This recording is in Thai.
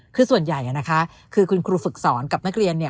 คือส่วนใหญ่คือคุณครูฝึกสอนกับนักเรียน